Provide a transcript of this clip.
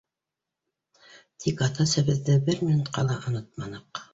Тик ата-әсәбеҙҙе бер минутҡа ла онотманыҡ.